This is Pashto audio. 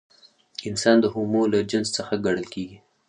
انسان د هومو له جنس څخه ګڼل کېږي.